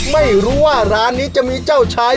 ไม่รู้ว่าร้านนี้จะมีเจ้าชาย